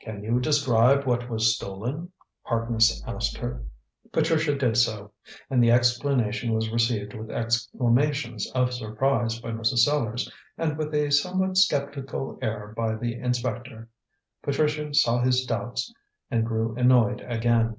"Can you describe what was stolen?" Harkness asked her. Patricia did so, and the explanation was received with exclamations of surprise by Mrs. Sellars and with a somewhat sceptical air by the inspector. Patricia saw his doubts and grew annoyed again.